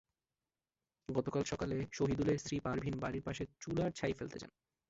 গতকাল সকালে সহিদুলের স্ত্রী পারভিন বাড়ির পাশে চুলার ছাই ফেলতে যান।